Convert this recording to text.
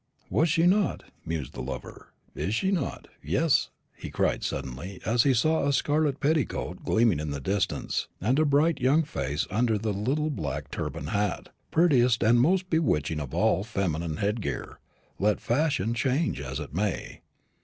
Was she not?" mused the lover. "Is she not? Yes," he cried suddenly, as he saw a scarlet petticoat gleaming in the distance, and a bright young face under a little black turban hat prettiest and most bewitching of all feminine headgear, let fashion change as it may.